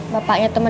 bapaknya temen aku